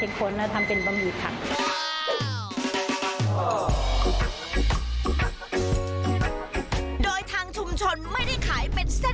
โดยเข้าทิ้งค้นโดยที่มหาวิธีชนแห่งนี้